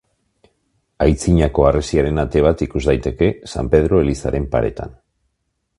Aitzinako harresiaren ate bat ikus daiteke, San Pedro elizaren paretan.